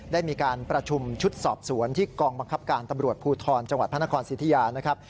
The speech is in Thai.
ได้มีการประชุมชุดสอบสวนที่กองบังคับการตำรวจภูทรจังหวัดพระนครสิทธิยานะครับ